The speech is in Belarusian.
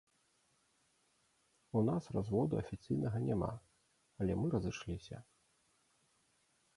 У нас разводу афіцыйнага няма, але мы разышліся.